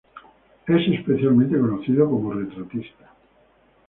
Es especialmente conocido como retratista.